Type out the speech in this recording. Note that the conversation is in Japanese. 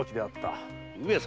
上様。